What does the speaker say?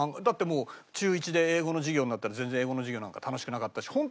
だってもう中１で英語の授業になったら全然英語の授業なんか楽しくなかったし。